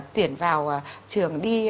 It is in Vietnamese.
tuyển vào trường đi